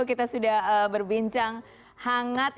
kita sudah berbincang hangat